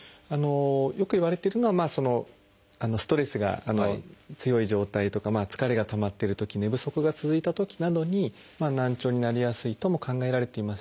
よくいわれているのはストレスが強い状態とか疲れがたまってるとき寝不足が続いたときなどに難聴になりやすいとも考えられていますし